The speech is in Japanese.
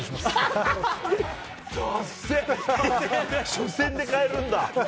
初戦で変えるんだ。